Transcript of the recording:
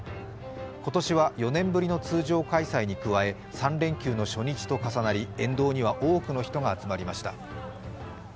今年は４年ぶりの通常開催に加え３連休の初日と重なり沿道には多くの人が集まりました。